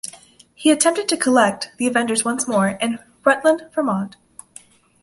He attempted to "collect" the Avengers once more, in Rutland, Vermont.